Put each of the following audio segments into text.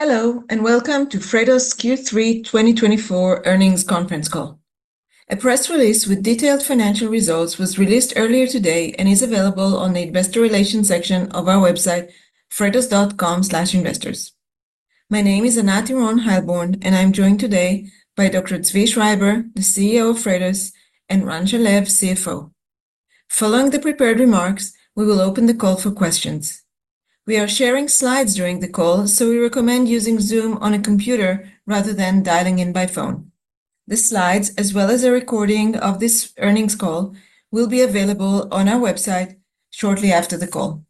Hello, and welcome to Freightos Q3 2024 earnings conference call. A press release with detailed financial results was released earlier today and is available on the Investor Relations section of our website, freightos.com/investors. My name is Anat Earon-Heilborn, and I'm joined today by Dr. Zvi Schreiber, the CEO of Freightos, and Ran Shalev, CFO. Following the prepared remarks, we will open the call for questions. We are sharing slides during the call, so we recommend using Zoom on a computer rather than dialing in by phone. The slides, as well as a recording of this earnings call, will be available on our website shortly after the call.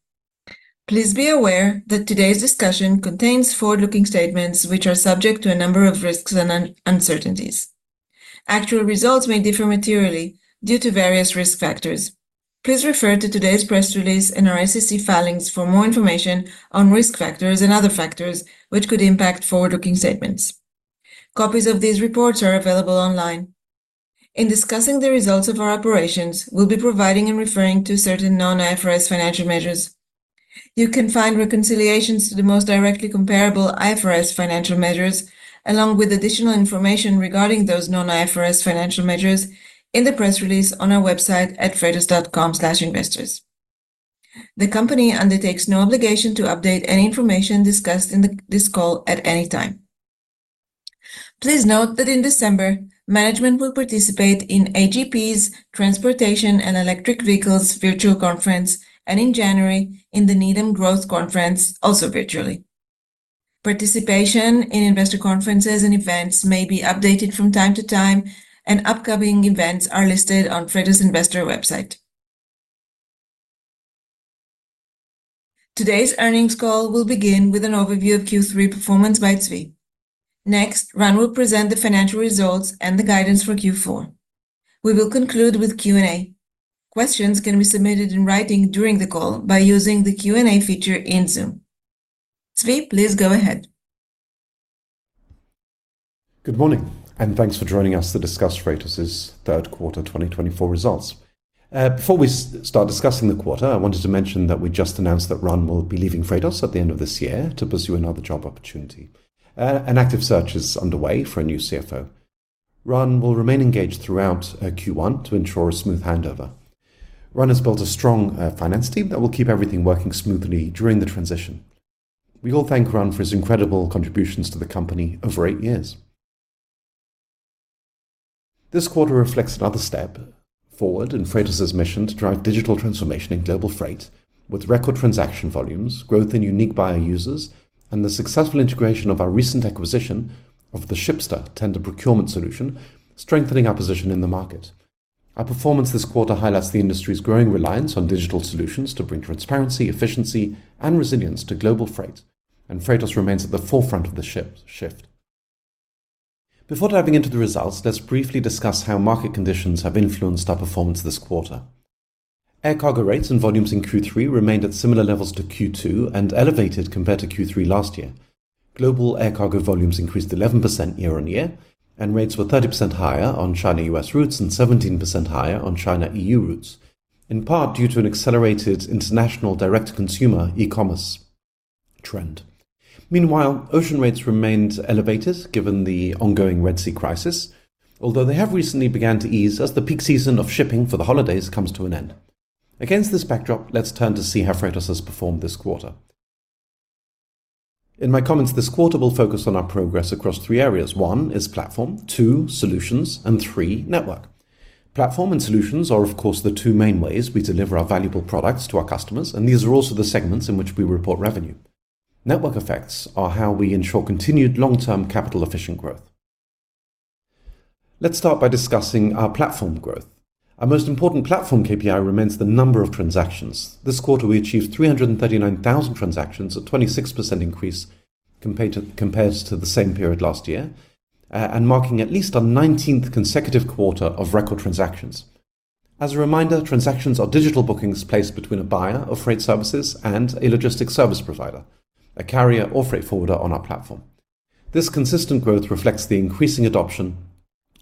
Please be aware that today's discussion contains forward-looking statements, which are subject to a number of risks and uncertainties. Actual results may differ materially due to various risk factors. Please refer to today's press release and our SEC filings for more information on risk factors and other factors which could impact forward-looking statements. Copies of these reports are available online. In discussing the results of our operations, we'll be providing and referring to certain non-IFRS financial measures. You can find reconciliations to the most directly comparable IFRS financial measures, along with additional information regarding those non-IFRS financial measures, in the press release on our website at freightos.com/investors. The company undertakes no obligation to update any information discussed in this call at any time. Please note that in December, management will participate in AGP's Transportation and Electric Vehicles virtual conference, and in January, in the Needham Growth conference, also virtually. Participation in investor conferences and events may be updated from time to time, and upcoming events are listed on Freightos' investor website. Today's earnings call will begin with an overview of Q3 performance by Zvi. Next, Ran will present the financial results and the guidance for Q4. We will conclude with Q&A. Questions can be submitted in writing during the call by using the Q&A feature in Zoom. Zvi, please go ahead. Good morning, and thanks for joining us to discuss Freightos' third quarter 2024 results. Before we start discussing the quarter, I wanted to mention that we just announced that Ran will be leaving Freightos at the end of this year to pursue another job opportunity. An active search is underway for a new CFO. Ran will remain engaged throughout Q1 to ensure a smooth handover. Ran has built a strong finance team that will keep everything working smoothly during the transition. We all thank Ran for his incredible contributions to the company over eight years. This quarter reflects another step forward in Freightos' mission to drive digital transformation in global freight, with record transaction volumes, growth in unique buyer users, and the successful integration of our recent acquisition of the Shipsta tender procurement solution, strengthening our position in the market. Our performance this quarter highlights the industry's growing reliance on digital solutions to bring transparency, efficiency, and resilience to global freight, and Freightos remains at the forefront of the Shift. Before diving into the results, let's briefly discuss how market conditions have influenced our performance this quarter. Air cargo rates and volumes in Q3 remained at similar levels to Q2 and elevated compared to Q3 last year. Global air cargo volumes increased 11% year on year, and rates were 30% higher on China-US routes and 17% higher on China-EU routes, in part due to an accelerated international direct-to-consumer e-commerce trend. Meanwhile, ocean rates remained elevated given the ongoing Red Sea crisis, although they have recently begun to ease as the peak season of shipping for the holidays comes to an end. Against this backdrop, let's turn to see how Freightos has performed this quarter. In my comments this quarter, we'll focus on our progress across three areas. One is platform, two solutions, and three network. Platform and solutions are, of course, the two main ways we deliver our valuable products to our customers, and these are also the segments in which we report revenue. Network effects are how we ensure continued long-term capital-efficient growth. Let's start by discussing our platform growth. Our most important platform KPI remains the number of transactions. This quarter, we achieved 339,000 transactions, a 26% increase compared to the same period last year, and marking at least our 19th consecutive quarter of record transactions. As a reminder, transactions are digital bookings placed between a buyer of freight services and a logistics service provider, a carrier or freight forwarder on our platform. This consistent growth reflects the increasing adoption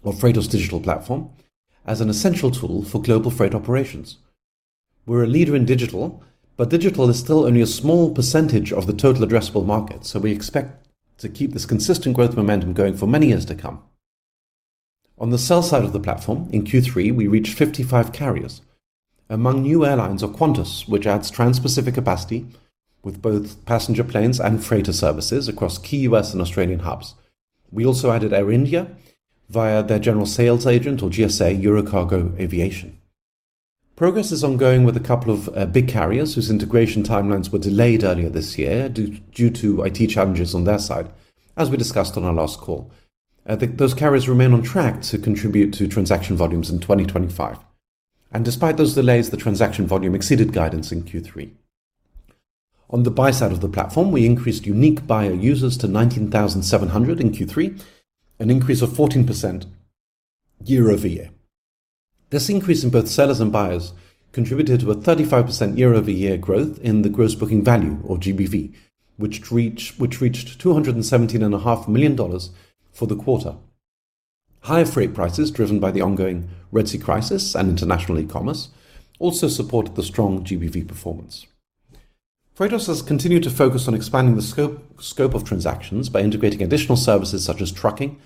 of Freightos' digital platform as an essential tool for global freight operations. We're a leader in digital, but digital is still only a small percentage of the total addressable market, so we expect to keep this consistent growth momentum going for many years to come. On the sell side of the platform, in Q3, we reached 55 carriers, among new airlines or Qantas, which adds trans-pacific capacity with both passenger planes and freighter services across key U.S. and Australian hubs. We also added Air India via their general sales agent or GSA, Eurocargo Aviation. Progress is ongoing with a couple of big carriers whose integration timelines were delayed earlier this year due to IT challenges on their side, as we discussed on our last call. Those carriers remain on track to contribute to transaction volumes in 2025, and despite those delays, the transaction volume exceeded guidance in Q3. On the buy side of the platform, we increased unique buyer users to 19,700 in Q3, an increase of 14% year over year. This increase in both sellers and buyers contributed to a 35% year-over-year growth in the gross booking value, or GBV, which reached $217.5 million for the quarter. Higher freight prices, driven by the ongoing Red Sea crisis and international e-commerce, also supported the strong GBV performance. Freightos has continued to focus on expanding the scope of transactions by integrating additional services such as trucking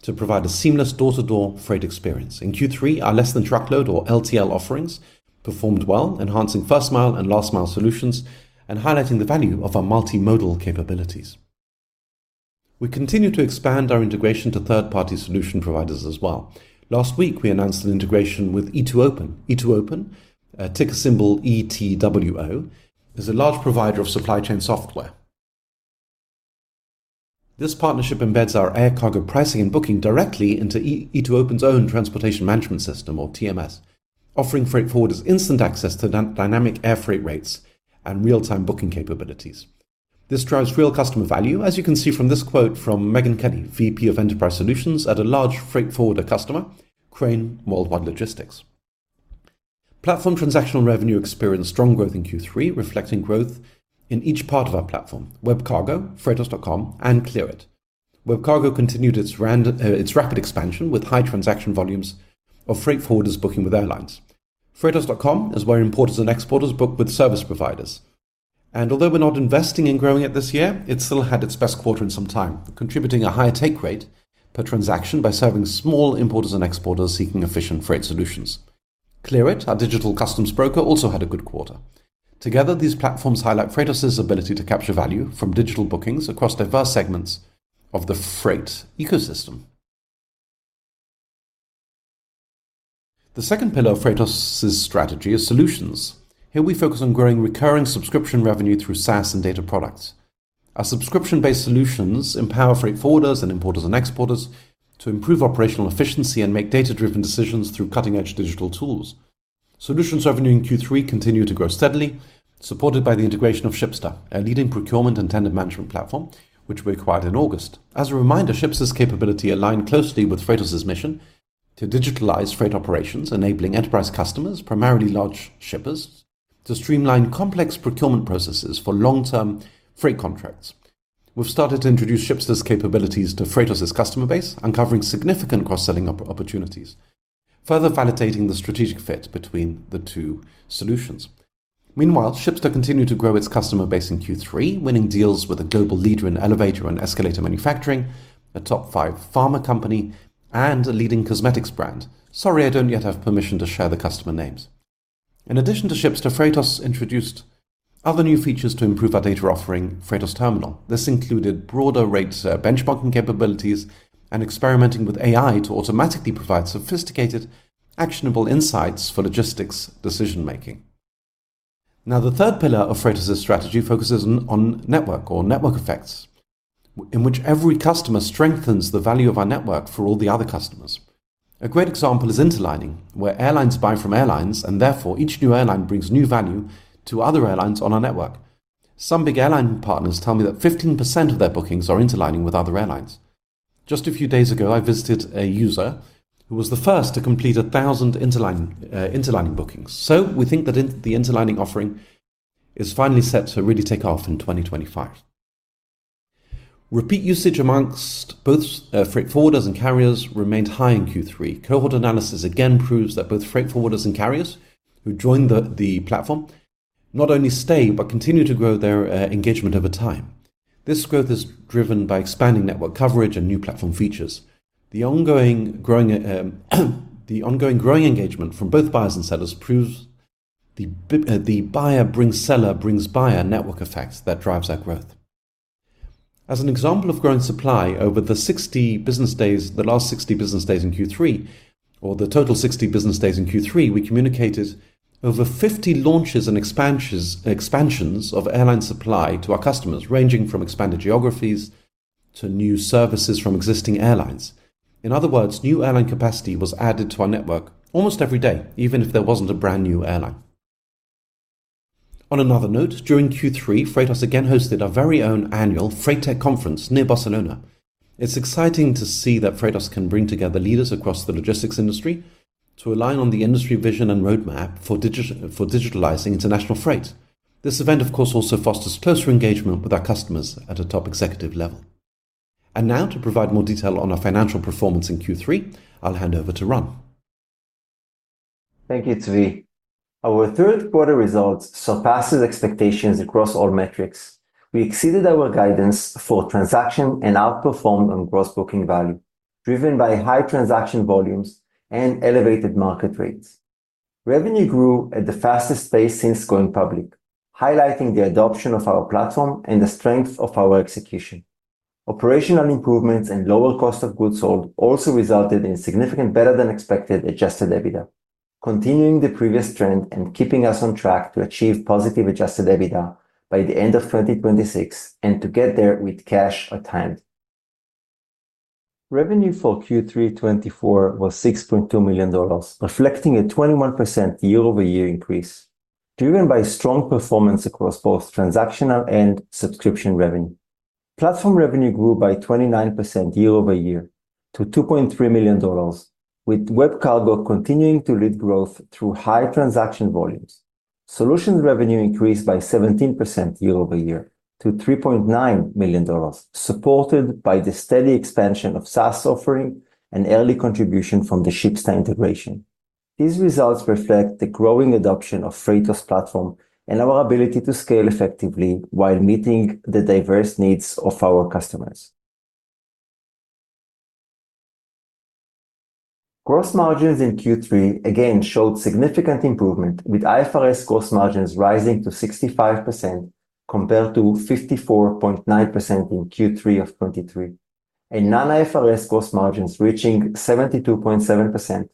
to provide a seamless door-to-door freight experience. In Q3, our less-than-truckload, or LTL, offerings performed well, enhancing first-mile and last-mile solutions and highlighting the value of our multimodal capabilities. We continue to expand our integration to third-party solution providers as well. Last week, we announced an integration with E2open. E2open, ticker symbol ETWO, is a large provider of supply chain software. This partnership embeds our air cargo pricing and booking directly into E2open's own transportation management system, or TMS, offering freight forwarders instant access to dynamic air freight rates and real-time booking capabilities. This drives real customer value, as you can see from this quote from Megan Kenney, VP of Enterprise Solutions at a large freight forwarder customer, Crane Worldwide Logistics. Platform transactional revenue experienced strong growth in Q3, reflecting growth in each part of our platform: WebCargo, Freightos.com, and Clearit. WebCargo continued its rapid expansion with high transaction volumes of freight forwarders booking with airlines. Freightos.com is where importers and exporters book with service providers. And although we're not investing in growing it this year, it still had its best quarter in some time, contributing a higher take rate per transaction by serving small importers and exporters seeking efficient freight solutions. Clearit, our digital customs broker, also had a good quarter. Together, these platforms highlight Freightos' ability to capture value from digital bookings across diverse segments of the freight ecosystem. The second pillar of Freightos' strategy is solutions. Here we focus on growing recurring subscription revenue through SaaS and data products. Our subscription-based solutions empower freight forwarders and importers and exporters to improve operational efficiency and make data-driven decisions through cutting-edge digital tools. Solutions revenue in Q3 continued to grow steadily, supported by the integration of Shipsta, a leading procurement and tender management platform, which we acquired in August. As a reminder, Shipsta's capability aligned closely with Freightos' mission to digitalize freight operations, enabling enterprise customers, primarily large shippers, to streamline complex procurement processes for long-term freight contracts. We've started to introduce Shipsta's capabilities to Freightos' customer base, uncovering significant cross-selling opportunities, further validating the strategic fit between the two solutions. Meanwhile, Shipsta continued to grow its customer base in Q3, winning deals with a global leader in elevator and escalator manufacturing, a top five pharma company, and a leading cosmetics brand. Sorry, I don't yet have permission to share the customer names. In addition to Shipsta, Freightos introduced other new features to improve our data offering, Freightos Terminal. This included broader rate benchmarking capabilities and experimenting with AI to automatically provide sophisticated, actionable insights for logistics decision-making. Now, the third pillar of Freightos' strategy focuses on network, or network effects, in which every customer strengthens the value of our network for all the other customers. A great example is interlining, where airlines buy from airlines, and therefore each new airline brings new value to other airlines on our network. Some big airline partners tell me that 15% of their bookings are interlining with other airlines. Just a few days ago, I visited a user who was the first to complete 1,000 interlining bookings. So we think that the interlining offering is finally set to really take off in 2025. Repeat usage among both freight forwarders and carriers remained high in Q3. Cohort analysis again proves that both freight forwarders and carriers who joined the platform not only stay but continue to grow their engagement over time. This growth is driven by expanding network coverage and new platform features. The ongoing growing engagement from both buyers and sellers proves the buyer-brings-seller-brings-buyer network effect that drives our growth. As an example of growing supply over the last 60 business days in Q3, or the total 60 business days in Q3, we communicated over 50 launches and expansions of airline supply to our customers, ranging from expanded geographies to new services from existing airlines. In other words, new airline capacity was added to our network almost every day, even if there wasn't a brand new airline. On another note, during Q3, Freightos again hosted our very own annual Freight Tech Conference near Barcelona. It's exciting to see that Freightos can bring together leaders across the logistics industry to align on the industry vision and roadmap for digitalizing international freight. This event, of course, also fosters closer engagement with our customers at a top executive level. And now, to provide more detail on our financial performance in Q3, I'll hand over to Ran. Thank you, Zvi. Our third quarter results surpassed expectations across all metrics. We exceeded our guidance for transaction and outperformed on Gross Booking Value, driven by high transaction volumes and elevated market rates. Revenue grew at the fastest pace since going public, highlighting the adoption of our platform and the strength of our execution. Operational improvements and lower cost of goods sold also resulted in significant better-than-expected Adjusted EBITDA, continuing the previous trend and keeping us on track to achieve positive Adjusted EBITDA by the end of 2026 and to get there with cash at hand. Revenue for Q3 2024 was $6.2 million, reflecting a 21% year-over-year increase, driven by strong performance across both transactional and subscription revenue. Platform revenue grew by 29% year-over-year to $2.3 million, with WebCargo continuing to lead growth through high transaction volumes. Solutions revenue increased by 17% year-over-year to $3.9 million, supported by the steady expansion of SaaS offering and early contribution from the Shipsta integration. These results reflect the growing adoption of Freightos' platform and our ability to scale effectively while meeting the diverse needs of our customers. Gross margins in Q3 again showed significant improvement, with IFRS gross margins rising to 65% compared to 54.9% in Q3 of 2023, and non-IFRS gross margins reaching 72.7%,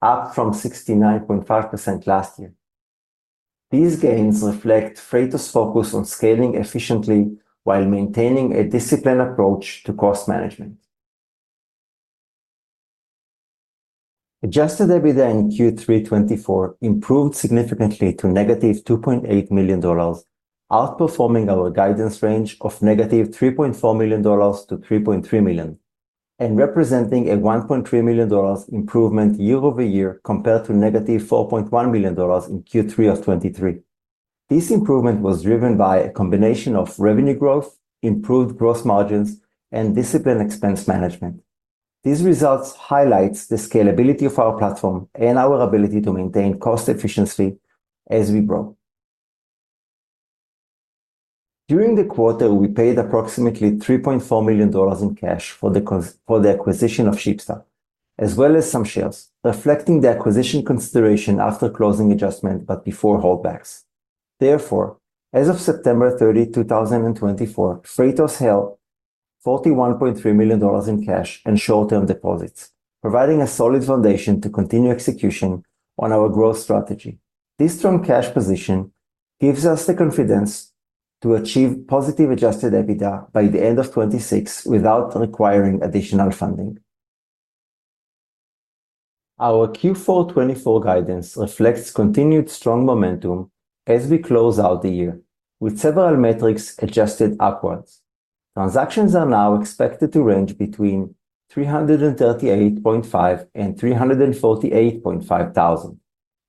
up from 69.5% last year. These gains reflect Freightos' focus on scaling efficiently while maintaining a disciplined approach to cost management. Adjusted EBITDA in Q3 2024 improved significantly to negative $2.8 million, outperforming our guidance range of negative $3.4 million–$3.3 million, and representing a $1.3 million improvement year-over-year compared to negative $4.1 million in Q3 of 2023. This improvement was driven by a combination of revenue growth, improved gross margins, and disciplined expense management. These results highlight the scalability of our platform and our ability to maintain cost efficiency as we grow. During the quarter, we paid approximately $3.4 million in cash for the acquisition of Shipsta, as well as some shares, reflecting the acquisition consideration after closing adjustment but before holdbacks. Therefore, as of September 30, 2024, Freightos held $41.3 million in cash and short-term deposits, providing a solid foundation to continue execution on our growth strategy. This strong cash position gives us the confidence to achieve positive Adjusted EBITDA by the end of 2026 without requiring additional funding. Our Q4 2024 guidance reflects continued strong momentum as we close out the year, with several metrics adjusted upwards. Transactions are now expected to range between $338.5 and $348.5 thousand.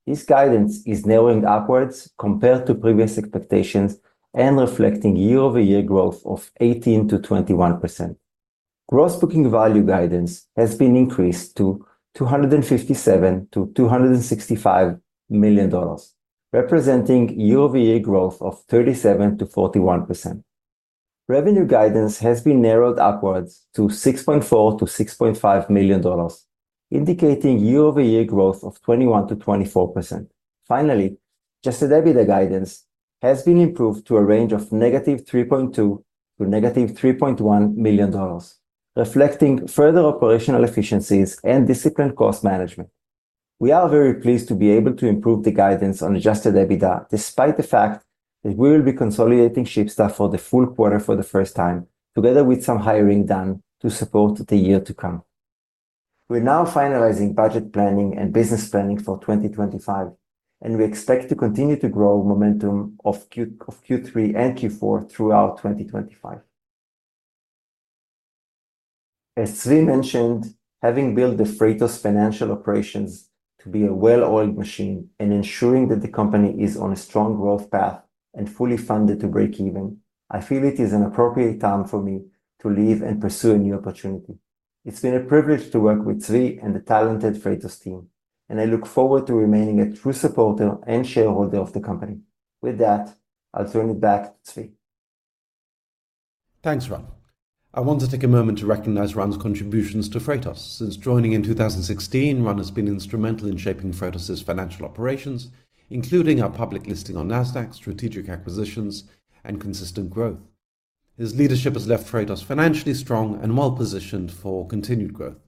This guidance is narrowing upwards compared to previous expectations and reflecting year-over-year growth of 18%-21%. Gross booking value guidance has been increased to $257-$265 million, representing year-over-year growth of 37%-41%. Revenue guidance has been narrowed upwards to $6.4-$6.5 million, indicating year-over-year growth of 21%-24%. Finally, Adjusted EBITDA guidance has been improved to a range of ($3.2-$3.1 million), reflecting further operational efficiencies and disciplined cost management. We are very pleased to be able to improve the guidance on Adjusted EBITDA, despite the fact that we will be consolidating Shipsta for the full quarter for the first time, together with some hiring done to support the year to come. We're now finalizing budget planning and business planning for 2025, and we expect to continue to grow momentum of Q3 and Q4 throughout 2025. As Zvi mentioned, having built the Freightos financial operations to be a well-oiled machine and ensuring that the company is on a strong growth path and fully funded to break even, I feel it is an appropriate time for me to leave and pursue a new opportunity. It's been a privilege to work with Zvi and the talented Freightos team, and I look forward to remaining a true supporter and shareholder of the company. With that, I'll turn it back to Zvi. Thanks, Ran. I want to take a moment to recognize Ran's contributions to Freightos. Since joining in 2016, Ran has been instrumental in shaping Freightos' financial operations, including our public listing on Nasdaq, strategic acquisitions, and consistent growth. His leadership has left Freightos financially strong and well-positioned for continued growth.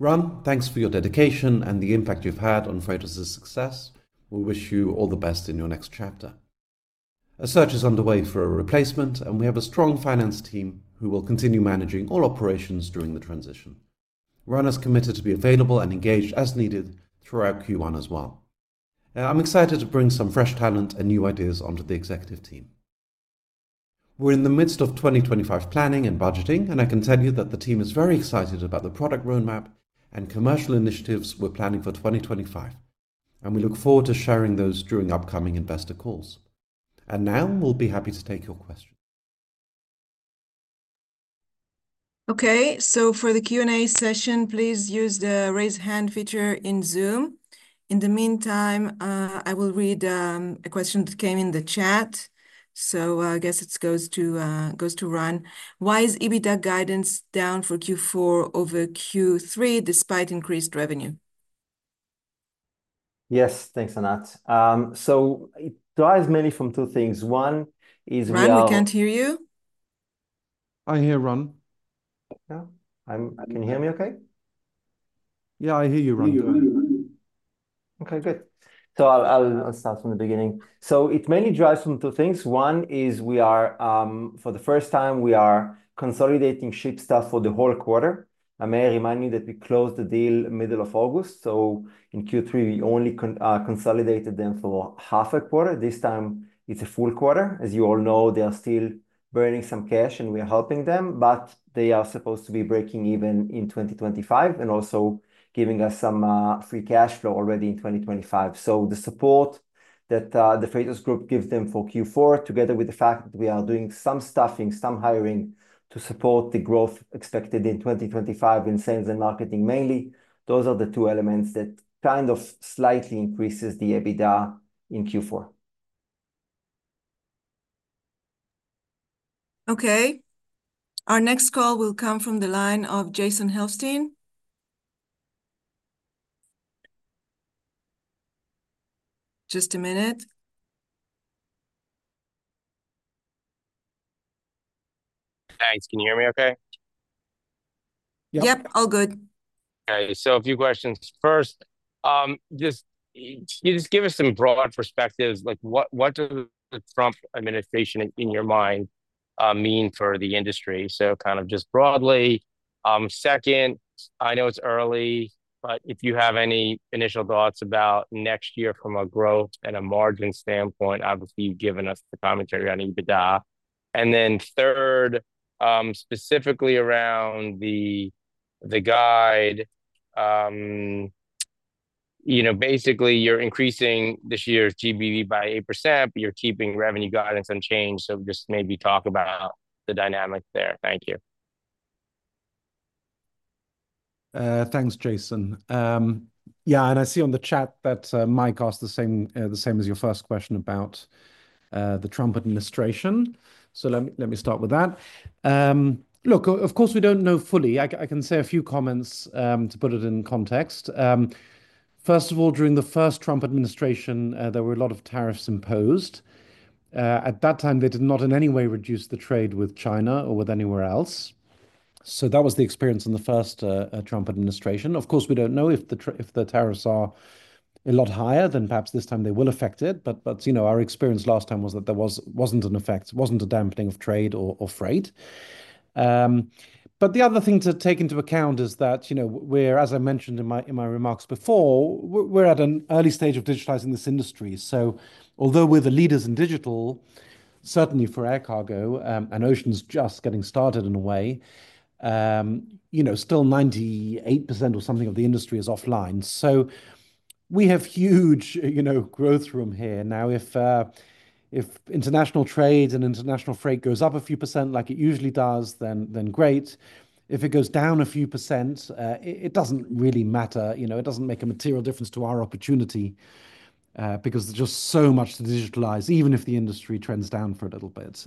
Ran, thanks for your dedication and the impact you've had on Freightos' success. We wish you all the best in your next chapter. A search is underway for a replacement, and we have a strong finance team who will continue managing all operations during the transition. Ran is committed to be available and engaged as needed throughout Q1 as well. I'm excited to bring some fresh talent and new ideas onto the executive team. We're in the midst of 2025 planning and budgeting, and I can tell you that the team is very excited about the product roadmap and commercial initiatives we're planning for 2025, and we look forward to sharing those during upcoming investor calls, and now we'll be happy to take your questions. Okay, so for the Q&A session, please use the raise hand feature in Zoom. In the meantime, I will read a question that came in the chat, so I guess it goes to Ran. Why is EBITDA guidance down for Q4 over Q3 despite increased revenue? Yes, thanks, Anat. So it drives mainly from two things. One is Ran... Ran, we can't hear you. I hear Ran. Yeah, can you hear me okay? Yeah, I hear you, Ran. Okay, good. So I'll start from the beginning. So it mainly drives from two things. One is we are, for the first time, consolidating Shipsta for the whole quarter. I may remind you that we closed the deal middle of August. So in Q3, we only consolidated them for half a quarter. This time, it's a full quarter. As you all know, they are still burning some cash, and we are helping them, but they are supposed to be breaking even in 2025 and also giving us some free cash flow already in 2025. So the support that the Freightos Group gives them for Q4, together with the fact that we are doing some staffing, some hiring to support the growth expected in 2025 in sales and marketing mainly, those are the two elements that kind of slightly increase the EBITDA in Q4. Okay. Our next call will come from the line of Jason Helfstein. Just a minute. Thanks. Can you hear me okay? Yep, all good. Okay, so a few questions. First, can you just give us some broad perspectives? Like, what does the Trump administration, in your mind, mean for the industry? So kind of just broadly. Second, I know it's early, but if you have any initial thoughts about next year from a growth and a margin standpoint, obviously, you've given us the commentary on EBITDA. And then third, specifically around the guide, you know, basically, you're increasing this year's GBV by 8%, but you're keeping revenue guidance unchanged. So just maybe talk about the dynamic there. Thank you. Thanks, Jason. Yeah, and I see on the chat that Mike asked the same as your first question about the Trump administration. So let me start with that. Look, of course, we don't know fully. I can say a few comments to put it in context. First of all, during the first Trump administration, there were a lot of tariffs imposed. At that time, they did not in any way reduce the trade with China or with anywhere else. So that was the experience in the first Trump administration. Of course, we don't know if the tariffs are a lot higher than perhaps this time they will affect it. But our experience last time was that there wasn't an effect, wasn't a dampening of trade or freight. But the other thing to take into account is that, you know, we're, as I mentioned in my remarks before, we're at an early stage of digitizing this industry. So although we're the leaders in digital, certainly for air cargo, and ocean's just getting started in a way, you know, still 98% or something of the industry is offline. So we have huge, you know, growth room here. Now, if international trade and international freight goes up a few percent, like it usually does, then great. If it goes down a few percent, it doesn't really matter. You know, it doesn't make a material difference to our opportunity because there's just so much to digitalize, even if the industry trends down for a little bit.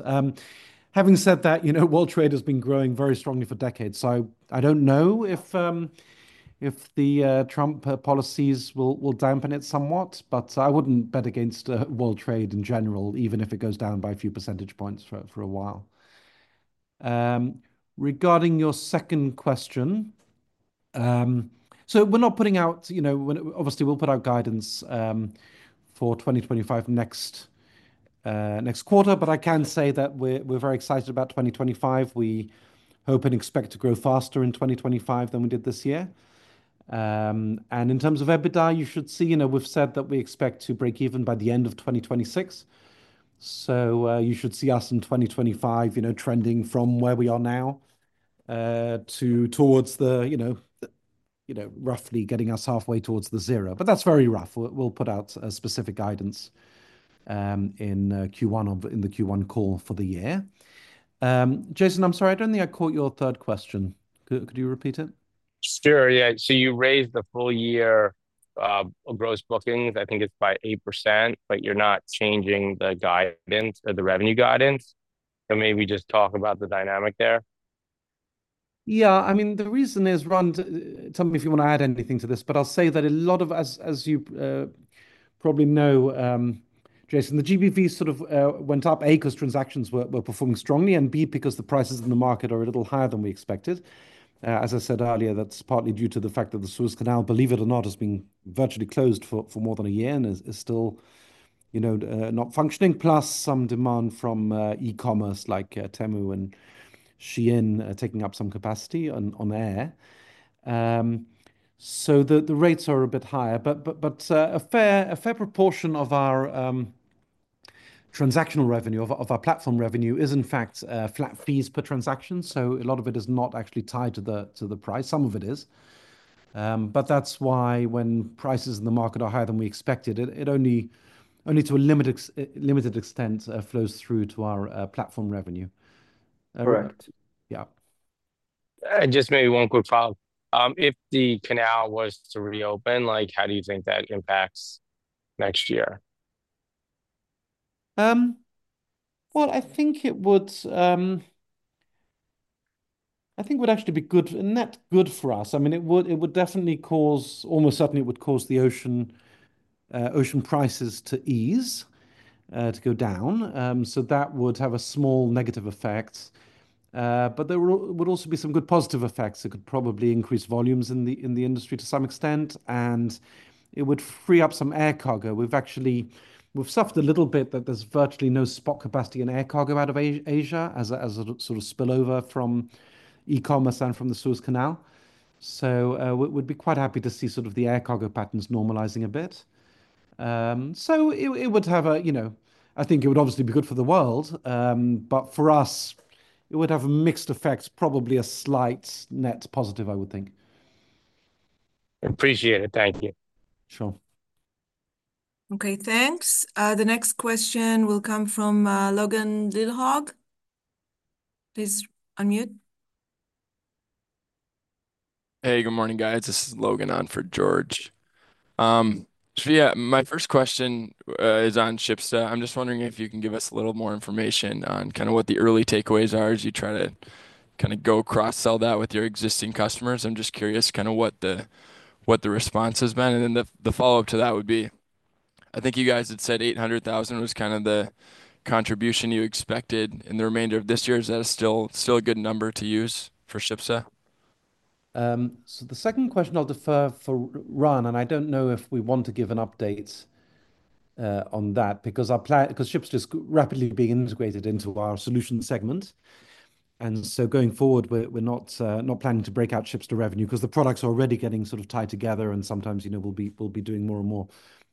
Having said that, you know, world trade has been growing very strongly for decades. So I don't know if the Trump policies will dampen it somewhat, but I wouldn't bet against world trade in general, even if it goes down by a few percentage points for a while. Regarding your second question, so we're not putting out, you know, obviously, we'll put out guidance for 2025 next quarter, but I can say that we're very excited about 2025. We hope and expect to grow faster in 2025 than we did this year. And in terms of EBITDA, you should see, you know, we've said that we expect to break even by the end of 2026. So you should see us in 2025, you know, trending from where we are now towards the, you know, roughly getting us halfway towards the zero. But that's very rough. We'll put out a specific guidance in the Q1 call for the year. Jason, I'm sorry, I don't think I caught your third question. Could you repeat it? Sure, yeah. So you raised the full year gross bookings. I think it's by 8%, but you're not changing the guidance or the revenue guidance. So maybe just talk about the dynamic there. Yeah, I mean, the reason is, Ran, tell me if you want to add anything to this, but I'll say that a lot of, as you probably know, Jason, the GBV sort of went up. A, because transactions were performing strongly, and B, because the prices in the market are a little higher than we expected. As I said earlier, that's partly due to the fact that the Suez Canal, believe it or not, has been virtually closed for more than a year and is still, you know, not functioning, plus some demand from e-commerce like Temu and Shein taking up some capacity on air. So the rates are a bit higher, but a fair proportion of our transactional revenue, of our platform revenue, is in fact flat fees per transaction. So a lot of it is not actually tied to the price. Some of it is. But that's why when prices in the market are higher than we expected, it only, to a limited extent, flows through to our platform revenue. Correct. Yeah. And just maybe one quick follow-up. If the canal was to reopen, like, how do you think that impacts next year? I think it would actually be good, not good for us. I mean, it would definitely cause, almost certainly, the ocean prices to ease, to go down. So that would have a small negative effect. But there would also be some good positive effects. It could probably increase volumes in the industry to some extent, and it would free up some air cargo. We've actually suffered a little bit that there's virtually no spot capacity in air cargo out of Asia as a sort of spillover from e-commerce and from the Suez Canal. So we'd be quite happy to see sort of the air cargo patterns normalizing a bit. So it would have a, you know, I think it would obviously be good for the world, but for us, it would have mixed effects, probably a slight net positive, I would think. Appreciate it. Thank you. Sure. Okay, thanks. The next question will come from Logan Lilhaug. Please unmute. Hey, good morning, guys. This is Logan on for George. So yeah, my first question is on Shipsta. I'm just wondering if you can give us a little more information on kind of what the early takeaways are as you try to kind of go cross-sell that with your existing customers. I'm just curious kind of what the response has been. And then the follow-up to that would be, I think you guys had said $800,000 was kind of the contribution you expected in the remainder of this year. Is that still a good number to use for Shipsta? So the second question I'll defer for Ran, and I don't know if we want to give an update on that because Shipsta is rapidly being integrated into our solution segment. And so going forward, we're not planning to break out Shipsta revenue because the products are already getting sort of tied together, and sometimes, you know, we'll be doing more and more.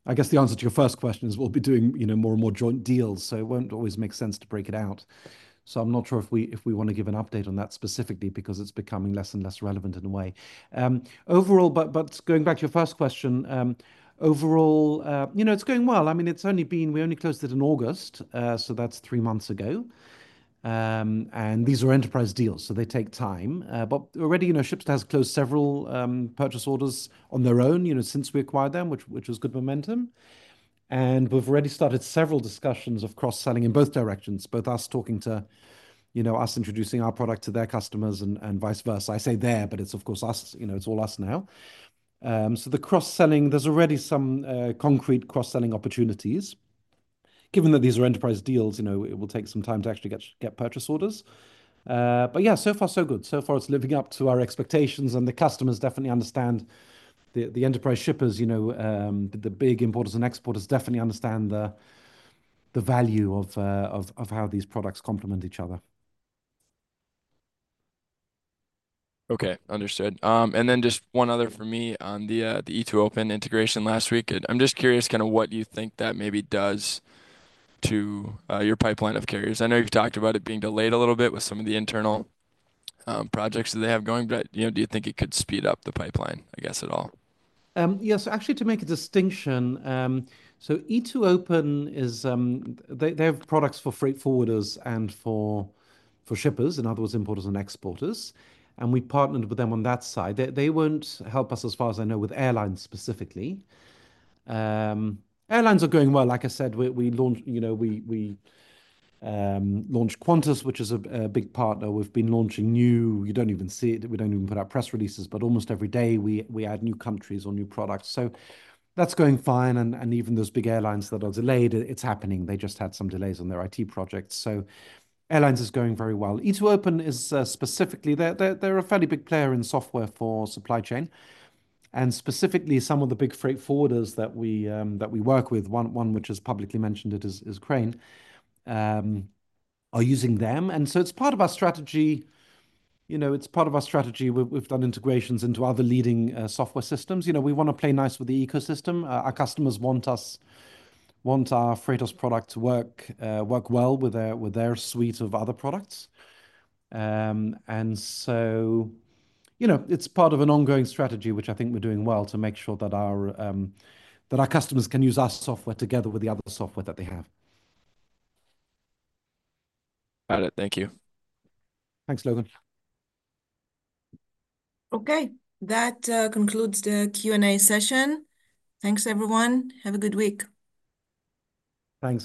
I guess the answer to your first question is we'll be doing, you know, more and more joint deals, so it won't always make sense to break it out. So I'm not sure if we want to give an update on that specifically because it's becoming less and less relevant in a way. Overall, but going back to your first question, overall, you know, it's going well. I mean, it's only been, we only closed it in August, so that's three months ago. These are enterprise deals, so they take time. Already, you know, Shipsta has closed several purchase orders on their own, you know, since we acquired them, which was good momentum. We've already started several discussions of cross-selling in both directions, both us talking to, you know, us introducing our product to their customers and vice versa. I say they, but it's of course us, you know, it's all us now. The cross-selling, there's already some concrete cross-selling opportunities. Given that these are enterprise deals, you know, it will take some time to actually get purchase orders. Yeah, so far so good. So far it's living up to our expectations, and the customers definitely understand the enterprise shippers, you know, the big importers and exporters definitely understand the value of how these products complement each other. Okay, understood. And then just one other for me on the E2open integration last week. I'm just curious kind of what you think that maybe does to your pipeline of carriers. I know you've talked about it being delayed a little bit with some of the internal projects that they have going, but you know, do you think it could speed up the pipeline, I guess, at all? Yes, actually, to make a distinction, so E2open is, they have products for freight forwarders and for shippers, in other words, importers and exporters. And we partnered with them on that side. They won't help us, as far as I know, with airlines specifically. Airlines are going well. Like I said, we launched, you know, we launched Qantas, which is a big partner. We've been launching new, you don't even see it. We don't even put out press releases, but almost every day we add new countries or new products. So that's going fine. And even those big airlines that are delayed, it's happening. They just had some delays on their IT projects. So airlines is going very well. E2open is specifically, they're a fairly big player in software for supply chain. And specifically, some of the big freight forwarders that we work with, one which has publicly mentioned it is Crane, are using them. And so it's part of our strategy. You know, it's part of our strategy. We've done integrations into other leading software systems. You know, we want to play nice with the ecosystem. Our customers want us, want our Freightos product to work well with their suite of other products. And so, you know, it's part of an ongoing strategy, which I think we're doing well to make sure that our customers can use our software together with the other software that they have. Got it. Thank you. Thanks, Logan. Okay, that concludes the Q&A session. Thanks, everyone. Have a good week. Thanks.